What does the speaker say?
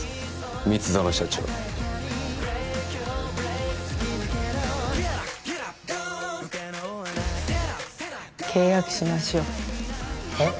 蜜園社長契約しましょうえっ？